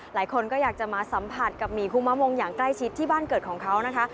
หลายคนก็อยากจะมาสัมผัสกับหมีคุมะมงอย่างใกล้ชิดที่บ้านเกิดของเขานะคะ